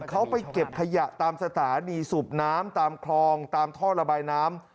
เขาไปเก็บขยะตามสถานีสูบน้ำตามคลองตามท่อระบายน้ำ